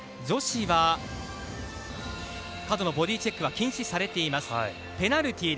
女子は過度のボディーチェックは禁止されています。